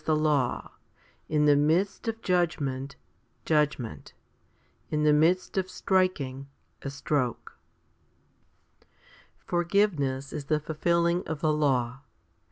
252 FIFTY SPIRITUAL HOMILIES law : In the midst of judgment, judgment ; in the midst of striking, a stroke} 4. Forgiveness is the fulfilling of the law.